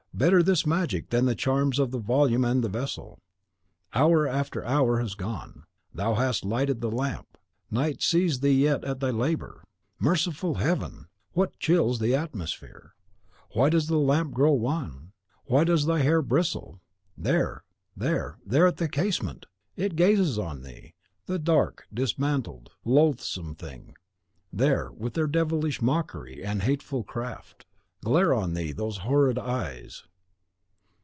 Better this magic than the charms of the volume and the vessel. Hour after hour has gone; thou hast lighted the lamp; night sees thee yet at thy labour. Merciful Heaven! what chills the atmosphere; why does the lamp grow wan; why does thy hair bristle? There! there! there! at the casement! It gazes on thee, the dark, mantled, loathsome thing! There, with their devilish mockery and hateful craft, glare on thee those horrid eyes!